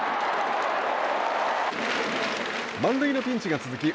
満塁のピンチが続き